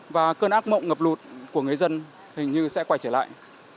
và cơn ác mộng ngập lụt của người dân hình như sẽ quay trở lại